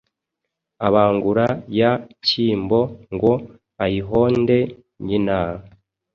abangura ya nshyimbo ngo ayihonde nyina,